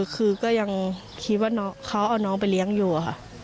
คือก็ยังคิดว่าเขาเอาน้องไปเลี้ยงอยู่ค่ะ